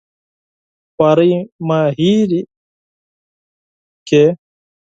خوارۍ مو هېرې کړلې.